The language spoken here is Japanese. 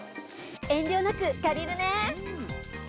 遠慮なく借りるね。